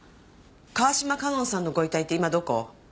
川島香音さんのご遺体って今どこ？